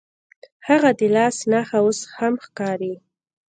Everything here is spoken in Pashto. هغه د لاس نښه اوس هم ښکاري.